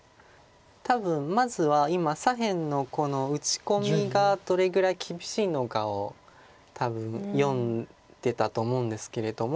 多分まずは今左辺の打ち込みがどれぐらい厳しいのかを多分読んでたと思うんですけれども。